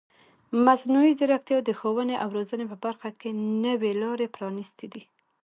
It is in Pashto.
مصنوعي ځیرکتیا د ښوونې او روزنې په برخه کې نوې لارې پرانیستې دي.